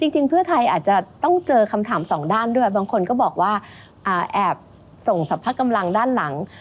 จริงเพื่อไทยอาจจะต้องเจอคำถามสองด้านด้วยบางคนก็บอกว่าแอบส่งสรรพกำลังด้านหลัง